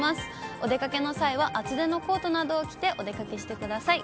お出かけの際は厚手のコートなどを着てお出かけしてください。